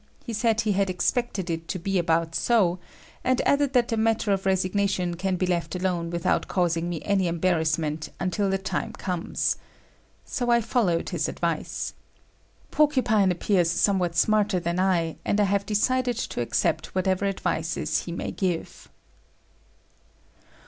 He said he had expected it to be about so, and added that the matter of resignation can be left alone without causing me any embarrassment until the time comes. So I followed his advice. Porcupine appears somewhat smarter than I, and I have decided to accept whatever advices he may give.